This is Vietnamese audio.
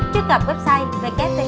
truy cập website www glugas com để đặt hàng